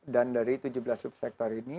dan dari tujuh belas subsektor ini